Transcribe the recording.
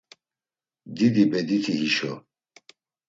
Didi bediti hişo.